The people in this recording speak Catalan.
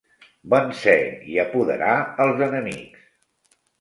Vencé i apoderà els enemics.